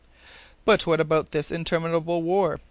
"But what about this interminable war?"